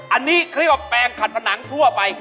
อันนี้คือแปลงขัดผนังทั่วไป